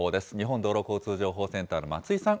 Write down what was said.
日本道路交通情報センターの松井さん。